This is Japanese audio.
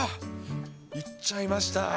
いっちゃいました。